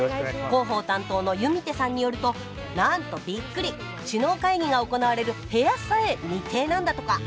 広報担当の弓手さんによるとなんとびっくり首脳会議が行われる部屋さえ未定なんだとか。